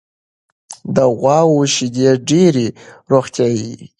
د غواوو شیدې ډېرې روغتیایي دي.